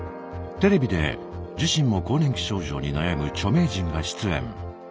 テレビで自身も更年期症状に悩む著名人が出演。